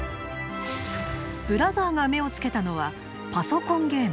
ブラザーが目をつけたのはパソコンゲーム。